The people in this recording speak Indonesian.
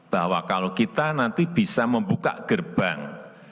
bahwa kalau kita nanti bisa membuka gerbang